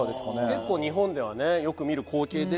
結構日本ではねよく見る光景ですけども。